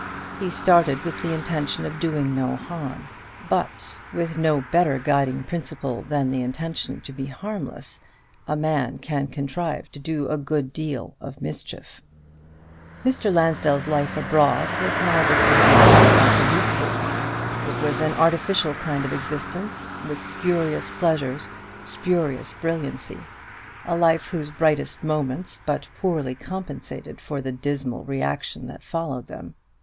He started with the intention of doing no harm; but with no better guiding principle than the intention to be harmless, a man can contrive to do a good deal of mischief. Mr. Lansdell's life abroad was neither a good nor a useful one. It was an artificial kind of existence, with spurious pleasures, spurious brilliancy, a life whose brightest moments but poorly compensated for the dismal reaction that followed them.